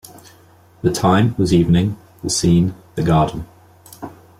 The time was evening; the scene the garden.